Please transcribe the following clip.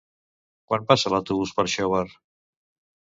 Quan passa l'autobús per Xóvar?